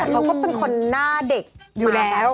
เขาก็เป็นคนหน้าเด็กอยู่แล้ว